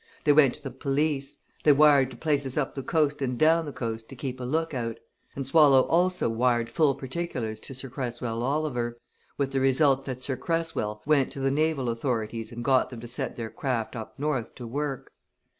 They went to the police they wired to places up the coast and down the coast to keep a look out and Swallow also wired full particulars to Sir Cresswell Oliver, with the result that Sir Cresswell went to the naval authorities and got them to set their craft up north to work.